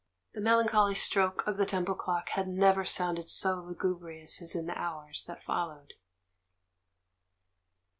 The melancholy stroke of the Temple clock had never sounded so lugubrious as in the hours that fol lowed.